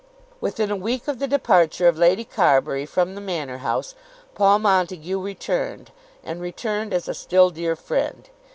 Within a week of the departure of Lady Carbury from the Manor House, Paul Montague returned, and returned as a still dear friend.